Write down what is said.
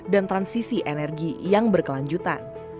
dan transisi energi yang berkelanjutan